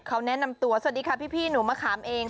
เขาแนะนำตัวสวัสดีค่ะพี่หนูมะขามเอง